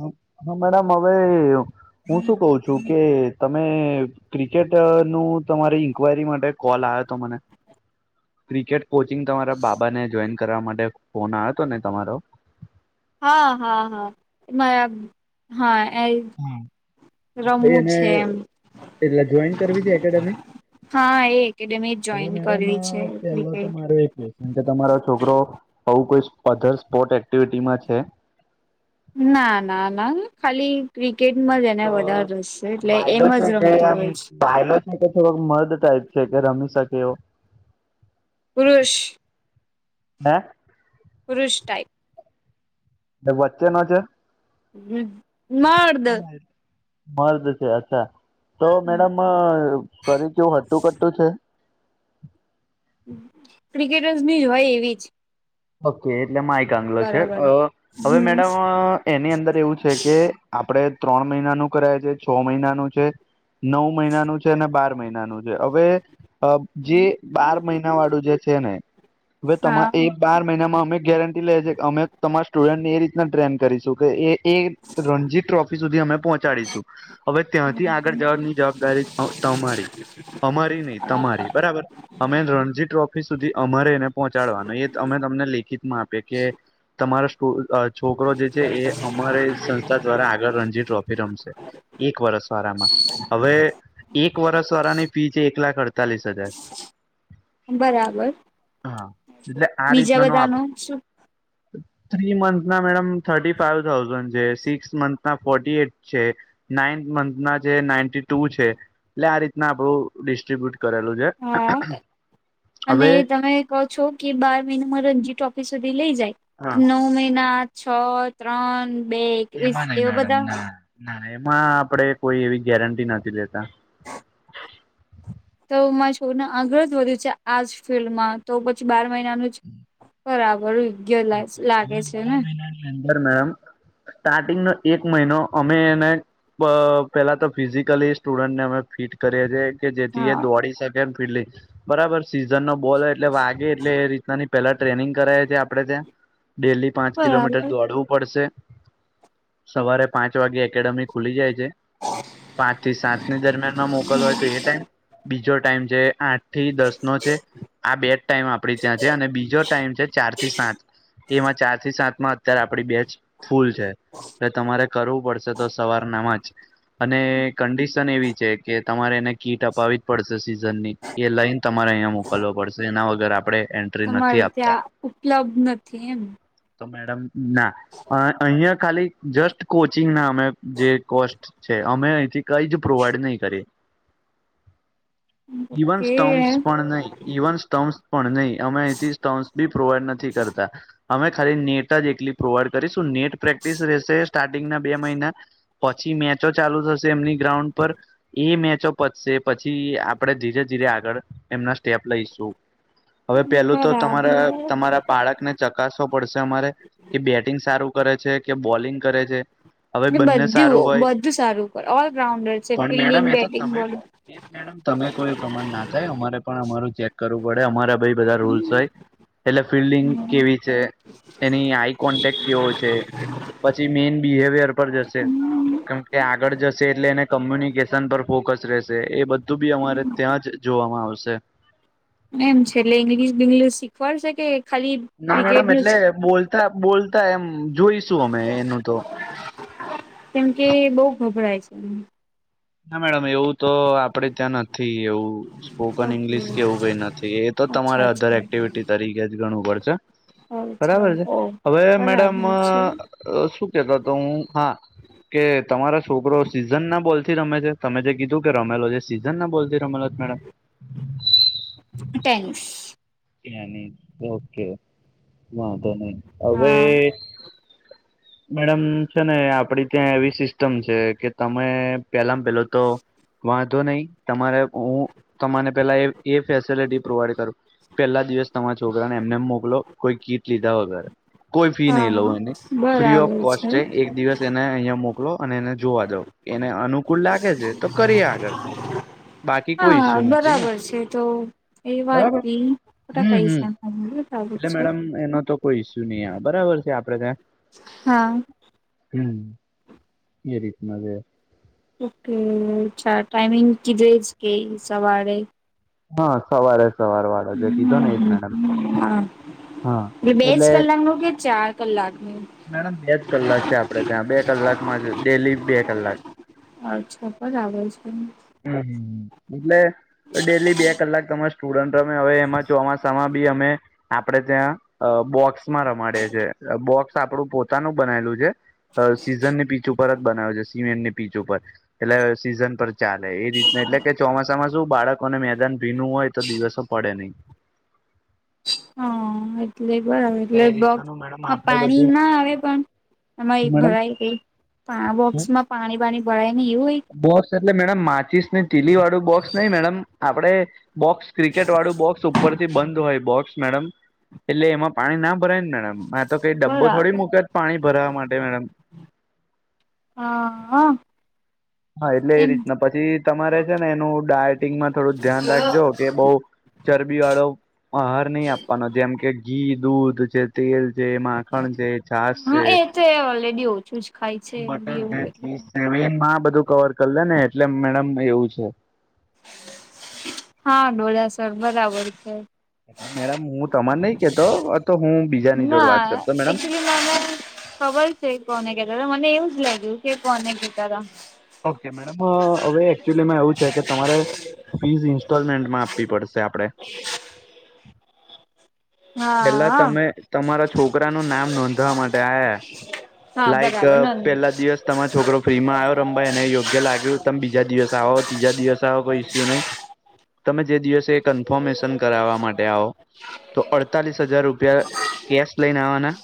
હા મેડમ હવે હું શું કઉ છું કે તમે ક્રિકેટ નું તમારી ઇન્ક્વાયરી માટે કોલ આવ્યો હતો મને ક્રિકેટ કોચિંગ તમારા બાબાને કરવા માટે ફોન આયો હતો ને તમારો હા હા હા બરાબર હા એ પહીં રમવું એને છે એમ એટલે જોયીન કરવી તી એકેડેમી હા એ એકેડેમી હવે જોઈન મેડમ કરવી છે પેલા તો ક્રિકેટ મારે એક કમકે તમારો છોકરો આવું કોઈ અધર સ્પોર્ટ એક્ટિવિટીમાં છે ના ના ના ખાલી ક્રિકેટમાં જ એને વધારે રસ છે એટલે એમ બાયલો જ છે કે રમતો હોય છે [unintelligible] રમી શકે એવો પુરુષ હે પુરુષ ટાઈપ વચ્ચે નો છે હ મદૅ મર્દ છે અચ્છા તો મેડમ શરીર કેવુ હટુ કટુ છે. ક્રિકેટર્સ ની જ હોય એવી જ ઓકે એટલે માય કાગલો છે બરાબર હવે હમ મેડમ એની અંદર એવું છે કે આપણે ત્રણ મહિનાનું કરાય છે છ મહિનાનું છે. નવ મહિનાનું છે અને બાર મહિનાનું છે હવે જે બાર મહિના વાળું જે છે ને હવે તમાર હા એ બાર મહિનામાં અમે ગેર લે છે તમારા સ્ટુડન્ટને એ ટ્રેન કરીશું કે એ એ રણજી ટ્રોફી સુધી અમે પહોંચાડીશું. હવે ત્યાંથી આગળ જવાની જવાબદારી તમારી. અમારી નહી તમારી બરાબર. અમે રણજી ટ્રોફી સુધી અમારે એને પહોંચાડવાનું એ અમે તમને લેખિત માં આપએ કે તમારા સ્તો છોકરો જે છે એ અમારે સંસ્થા દ્વારા આગળ રણજી ટ્રોફી રમશે. એક વરસ વારામાં. હવે એક વરષ વાળાની ફી છે એક લાખ અડતાલીસ હજાર. બરાબર. હા એટલે આ બીજા રીતના ન નો બધા આપ. [unintelligible] થ્રી મંથ ના મેડમ થર્ટી ફાઈવ થાઉઝન્ડ છે, સિક્સ મંથ ના ફોર્ટી એટ છે. નાઇન્ મંથ ના જે નાઇન્ટી ટુ એટલે આ રીતના આપણું ડિસ્ટ્રીબ્યુટ કરેલું છે. હા એલે અવે કો છો કે બાર મહિનામાં રણજી ટ્રોફી સુધી લઈ જાય, નવ મહિના છ, ત્રણ, બે, એકવીસ એવા બધા ના એમાં આપડે કોઈ એવી ગેરંટી નથી લેતા. તો મારા છોકને આગળ જ વધ્યું છે આજ ફિલ્ડમાં તો પછી બાર મહિનાનું જ બરાબર યોગયો લાગે છે ને. મેમ સ્ટાર્ટિંગ નો એક મહિનો અમે એને પેલા તો ફિઝિકલી સ્ટુડન્ટને અમે ફિટ કરે છે કે જેથી એ હા દોડી શકે ફી બરાબર સીઝન નો બોલ એટલે વાગે એટલે એ રીતનાની પેલા ટ્રેનિંગ કરાવી આપડે ત્યાં ડેલી પાંચ કિલોમીટર બરાબર દોડવું પડશે, સવારે પાંચ વાગે એકેડેમી ખુલી જાય જે પાંચ થી સાત ની દરમિયાનમાં મોકલ વો હોય તો એ ટાઈમ બીજો ટાઈમ છે આઠ. થી દસ નો છે. આ બે જ ટાઈમ આપે ત્યાં છે અને બીજો ટાઈમ છે ચાર થી સાત એમાં ચાર થી સાત માં અત્યારે આપડી બે જ ફૂલ છે. ને તમારે કરવું પડશે તો સવારનામાં જ. અને કંડિશન એવી છે કે તમારે એને કીટ અપાવી જ પડશે સિઝન ની એ લઈન તમારે અહિયા મોકલવા પડશે એના વગર આપડે તમારે ત્યાં ઉપલબ્ધ નથી એમ. તો મેડમ ના અ અહિયાં ખાલી જસ્ટ કોચિંગ ના અમે જે કોસ્ટ છે અમે અહીથી કઈ જ પ્રોવાઈડ નહી કરીએ. ઇવન કે સ્ટમ્પ્સ પણ નહી, ઇવન સ્ટમ્સ પણ નહીં અમે અહીં થી સ્ટમસ બી પ્રોવાઈડ નથી થી કરતા અમે ખાલી નેટ જ એકલી પ્રોવાઈડ કરીશું નેટ પ્રેક્ટિસ રહેશે સ્ટાર્ટિંગ ના બે મહિના પછી મેચો ચાલુ થશે એમની ગ્રાઉન્ડ પર એ મેચો પતશે પછી આપણે ધીરે ધીરે આગળ એમના સ્ટેપ લઈશું. હવે પેલું તો બરાબર તમારા તમારા બાળકને ચકાસવો પડશે અમારે કે બેટિંગ સારું કરે છે કે બોલિંગ કરે છે. હવે એટ બંને સારું બધું હોય બધું સારું કરે ઓલ રાઉન્ડર છે પણ મેડમ ફિલ્ડિંગ, બેટિંગ, બોલિંગ. એ મેડમ તમે કોઈ પ્રમાણ ના થાય અમારે પણ અમારુ ચેક કરવું પડે અમારા ભઈ બધા રૂલ્સ હોય. એટલે ફિલ્ડિંગ કેવી છે, એની આઈ કોન્ટેક્ટ કેવો છે પછી મેઈન બિહેવિયર પર જશે. કેમકે આગળ જશે એટલે એને કોમ્યુનિકેશન પર ફોકસ રહેશે એ બધ તો બી અમારે ત્યાં જ જોવામાં આવશે એમ છે એટલે ઇંગ્લિશ બિંગ્લિશ શીખવાડશે કે ખાલી ના ક્રિકેટ મેડમ નું એટલે જ બોલતા બોલતા એમ જોઈશું અમે એનું તો કેમ કે એ બવ ગભરાય છે ના મેડમ એવું તો આપડે ત્યાં નથી એવું સ્પોકન ઓકે ઈંગ્લિશ કેવું કઈ નથી એ તો તમારે અચ્છા અધર અચ્છા એક્ટિવિટી તરીકે જ ગણવું પડશે એવું બરાબર છે ઓ હવે મેડમ બરાબર અ છે. શું કેતો હતો હું હા કે તમારા છોકરો સીઝન ના બોલ રમે છે તમે જે કીધું કે રમેલો જે સીઝનને બોલતી રમેલો મેડમ ટેનિસ ઓકે વાંધો નહી હવે હા મેડમ છે ને આપડી ત્યાં એવી સિસ્ટમ છે કે તમે પેલામાં પેલો તો વાંધો નહી તમારે હું તમારે પેલા એ ફેસલિટી પ્રોવાઈડ કરું પેલા દિવસ તમારા છોકરાને એમ નેમ મોકલો કોઈ કીટ લીધા વગર કોઈ ફી નહી હા. લવ એની ફ્રી ઓફ કોસ્ટ છે એક દિવસ એને અહીંયા મોકલો અને એને જોવા દીઓ એને અનુકૂળ લાગે છે તો કરી આલ હા બરાબર છે તો એ વાત બરાબર બી ખોટા પૈસા હમ લ એટલે મેડમ એનો તો કોઈ ઇસ્યુ નહિ આવે બરાબર છે આપડે ત્યાં હા હમ એ રીતના છે ઓકે ચાર ટાઈમિંગ કીધો એ જ કે સવારે હા સવારે સવાર વાળો જે કીધો ને એ જ મેડમ હા હા એ બે જ એટલે કલાક નું કે ચાર કલાક નું મેડમ બે જ કલાક છે આપડે ત્યાં બે કલાકમાં જ ડેલી બે કલાક અચ્છા, બરાબર છે. એટલે ડેલી બે કલાક તમારા સ્ટુડન્ટ રમે હવે એમાં ચોમાસામાં ભી અમે આપડે ત્યાં બોક્સમાં રમાડીએ છીએ, બોક્સ આપણું પોતે પોતાનું બનાયેલું છે. સીઝનની પીચ ઉપર જ બનાવે છે, સિમેન્ટની પીચ ઉપર એટલે સીઝન પર ચાલે એ રીતના એટલે કે ચોમાસામાં શું બાળકોને મેદાન ભીનું હોય તો દિવસો પડે નહી. હા એટલે બરાબર એટલે બોક્સમાં પાણી ના આવે પણ, એમાં શું એક મેડમ ભરાય પા એ પણ આ શું બોક્સમાં પાણી બાણી ભરાય નઇ એવું હોય, બોક્સ એટલે મેડમ માચીસને તીલી વાળું બોક્સ નહી, મેડમ આપડે બોક્સ ક્રિકેટ વાળું બોક્સ ઉપરથી બંધ હોય બોક્સ મેડમ એટલે એમાં પાણી ના ભરાય ને મેડમ આ તો કઈ હોય ડબ્બો થોડી બરાબર મૂકો છે પાણી ભરાવા માટે મેડમ હા હ હા એટલે એ રીતના પછી તમારે છે ને એનું ડાયટિંગમાં થોડું ધ્યાન રાખજો કે બહુ ચરબી વાળો, આહાર નહી આપવાનો જેમ કે ઘી, દૂધ છે, તેલ છે, માખણ છે, છાસ હા છે, એ તો એ ઓલરેડી ઓછું જ ખાય છે એમ બી બટર એવું એન્ડ એટલે ચિઝ, હેવીમાં બધું કવર કરી લે ને એટલે મેડમ એવું છે. હા ડોડાસર બરાબર છે. મેડમ હું તમાન નહી કહેતો આ તો હું, બીજાની જોડ વાત ના કરતો મેડમ એકચ્યુલી મને, ખબર છે કોને ખેંચાતા, મને એવું જ કે કોને કેતાતા, ઓકે મેડમ હવે એકચ્યુલી માં એવું છે કે તમારે ફીસ ઇન્સ્ટોલમેન્ટમાં આપવી પડશે આપણે, હા પેલા તમે હા તમારા છોકરાનું નામ નોંધવા માટે આયા, હા લાઈક બરાબર ન પેલા દિવસ તમારો છોકરો ફ્રીમાં આવ્યો રમવાા એને યોગ્ય લાગ્યું, તમે બીજા દિવસ આવો, તિજા દિવસ આવો કોઈ ઈસ્યુ નહીં. તમે જે દિવસે એ કન્ફર્મેશન કરાવવા માટે આવો. તો અડતાલીસ હજાર રૂપિયા કેશ લઈને આવવાના,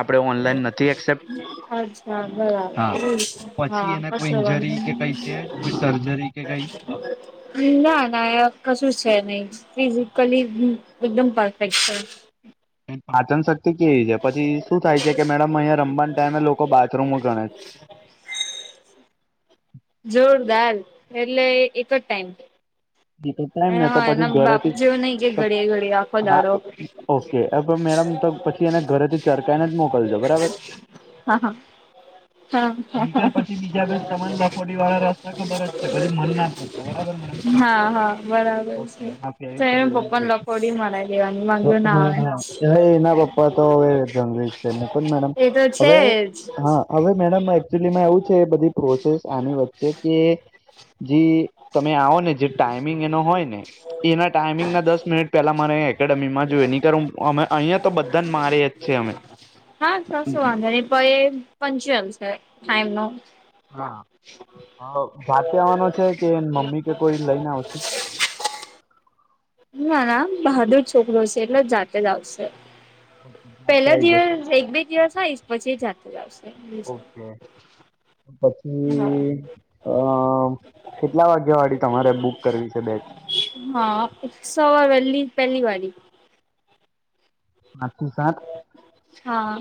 આપણે ઓનલાઈન નથી એક્સેપ્ટ, અચ્છા બરાબર હા કસે વાન્ધો નઈ, ના ના એવુકશું જ છે નહી, ફિઝિકલી એકદમ પરફેક્ટ છે, પાચન શક્તિ કેવી છે પછી શું થાય છે કે મેડમ અહિયાં રમવાને ટાઈમે લોકો બાથરૂમમાં ગણે છે, જોરદાર એટલે એક જ ટાઈમ, ટાઈમ ને તો હા પછી એના બાપ ઘરેથી જેવું નહી કે જ ઘડીએ ઘડીએ આખો દાડો હા ઓકે મેડમ તો પછી એને ઘરેથી ટરકાઈને જ મોકલજો બરાબર હા હા હા હા અ [unintelligible] હા હા બરાબર ઓકે છે, તો પપ્પાને લખોડી મરાવી દેવાની માંગુ ના હા આવે હા હવે એના પપ્પા તો હવે જંગલી છે મૂકો મેડમ એ તો છે હવે જ હા હવે મેડમ એકચુલીમાં એવું છે બધી, પ્રોસેસ આની વચ્ચે કે જે તમે આવો ને જે ટાઈમિંગ એનો હોય ને, અને એના ટાઈમિંગના દસ મિનિટ પહેલા મારે એકેડેમીમાં જોઈ નની કર અહીંયા તો બધાને મારે હા કશો વાંધો નહી [inaudible] ઘરે પર એ પંચમ સર ટાઈમ નો હા જાતે આવવાનો છે કે મમ્મી કે કોઈ લઈને આવશે. [inaudible] ના ના બહાદુર છોકરો છે એટલે જાતે જ આવશે. ઓકે, જાતે પેલા આઈ જશે. દિવસ એક બે દિવસ આવશ પછી જાતે જ આવશે ઓકે પછી કેટલા વાગ્યા વાળી તમારે બુક કરવી છે બેચ હા સવારે વહેલી પહેલી વાળી પાંચથી સાત હા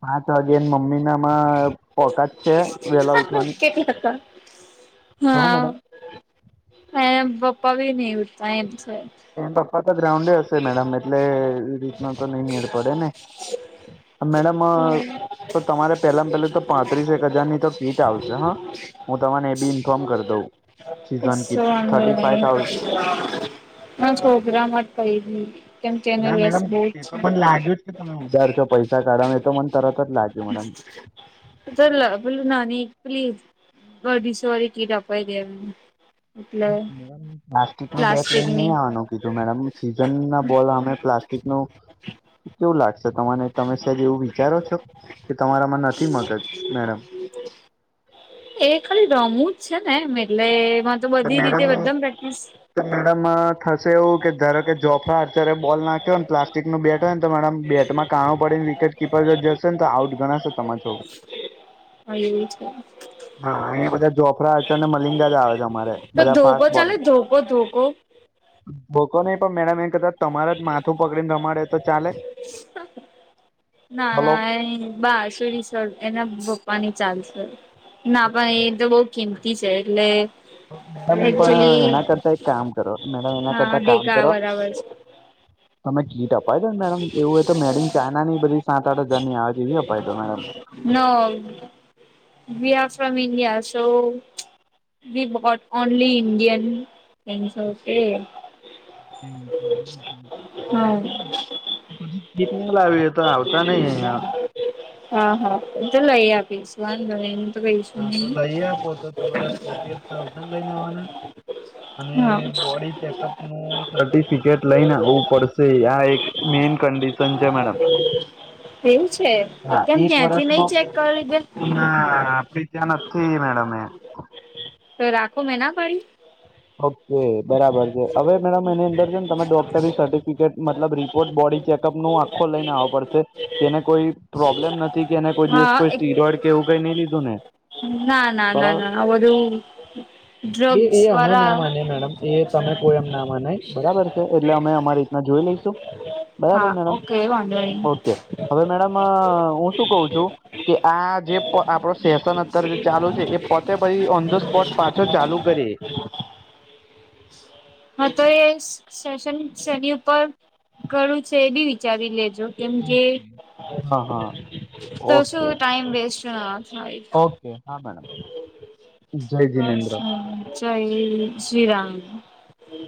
પાંચ વાગે એની મમ્મી નામાં ઓકાત છે વહેલા ઉઠવાની [unintelligible] [inaudible] હા મેડમ એના પપ્પા બી નહી ઉઠતા એમ છે. એ પપ્પા તો ગ્રાઉન્ડે હશે મેડમ એટલે એ રીતનો તો નઈ મેળ પડે ને મેડમ તો તમારે પેલા પેલું તો પાંત્રીસ એક હજારની તો કીટ આવશે હા હું તમને એ બી ઇન્ફોર્મ કરી દઉં. Season kit thirty five thousand ના છોકરામાં જ પ ગ કેમ કે એને ના રસ મેડમ બહુ જ એ છે તો [unintelligible] મને લાગ્યું જ તમે ઉધાર છો પૈસા કાઢવા એ તો મને તરત જ લાગયુ મને એમ તો અ પેલું નાની પેલી બઢી સોરી કીટ અપાઈ દેવાની પ્લાસ્ટિક નું બેટ લઈને પ્લાસ્ટિકની નહી આવાનું કીધું મેડમ સીઝન ના બોલ અમે પ્લાસ્ટિક નુ કેવું લાગશે તને તમે સેજ એવું વિચારો છો? કે તમારામાં નથી મગજ મેડમ એ ખાલી રમુંજ છે ને એમ એટલે એમાં તો બધી રીતે બધામાં પ્રેક્ટિસ કે મેડમ અ થશે એવું કે ધારોકે જોફડા અત્યારે બોલ નાખ્યો ને પ્લાસ્ટિક નું બેટ હોય ને તો મેડમ બેટમાં કાણું પડી ને વિકેટ કીપર જશે ને તો આઉટ ગણાશે તમારો છોકરો હા એવું છે. હા એ બધા જોફ્રા અને મલિંગાજ આવે છે અરે તો બધા ધોકો ફાસ્ટ બોલર ચાલે ધોકો ધોકો બોકો નહી પણ મેડમ એક કદાચ તમારે જ માથું પકડીને રમાડે તો ચાલે હલો એની બાંસુરી. એના પપ્પા ની ચાલશે ના ભાઈ એ તો બહુ કિંમતી છે એટલે એક્ચયુલી અત્યારે કામ કરો મેડમ એના હા કરતા બીકા બરાબર છે. અમને કીટ અપાવી દયોને મેડમ એવું હો તો મેડમ ચાઇના ની બધી સાત આઠ હજારની આવે જે એવી અપાવી દો madam no we are from India so. We what only Indian in સોટ A hmm. પછી કીટ લાવીયો હા હા તો લઈ આપીશું વાંધો નઈ કશ [inaudible] પોચસો તમારા ફોટી એઇટ થાઉઝંડ લઈને આવાના અને હા બોડી ચેકઅપ નું સર્ટિફિકેટ લઈને આવવું પડશે આ એક મેઇન કન્ડિશન છે મેડમ એવું છે હા કેમ એક ત્યાંથી વર્ષનો નહી ચેક કરી દે હું નાં, બીજા નથી મેડમ એ, સર આખો મા ના પાડી ઓકે બરાબર છે, હવે મેડમ એની અંદર છે, ને તમે ડોક્ટરી સર્ટિફિકેટ. મતલબ રિપોર્ટ બોડીનો ચેકપ નુ આખો લઈને આવો પડશે કેને કોઈ પ્રોબ્લેમ નથી કે એને કોઈ દિવસ હા કોઈ સ્ટીરોડ કેવું કંઈ નઈ લીધુંને, ના ના ના ના આ બધું એ ડ્રગ્સ, એ અમે વાળા ના માની મેડમ એ તમે કોઈ એમ ના માનાય બરાબર છે, એટલે અમે અમારી રીતના જોઈ લઈશું. બરાબર હા મેડમ ઓકે વાંધો નહી ઓકે હવે મેડમ અ હું શુ કહ્યું છું. કે આજે આપડે સેશન અત્યારે જે ચાલુ છે, એ પતે પછી દ સ્પોટ પાછો ચાલુ કરીએ. હા તોએ સેશન શરી ઉપર ઘરું છે, એભી વિચારી લેજો, કેમ કે, હા હા તો શું ઓકે ટાઈમ વેસ્ટના થાઈ ઓકે હા મેડમ જય હા જિનેન્દ્ર જય એ શ્રીરામ,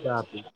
ચા પીવુ